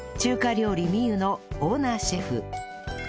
料理美虎のオーナーシェフ